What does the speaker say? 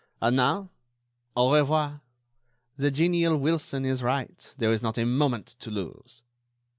And now—au revoir! The genial Wilson is right; there is not a moment to lose."